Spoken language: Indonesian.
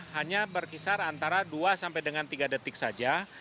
hanya berkisar antara dua sampai dengan tiga detik saja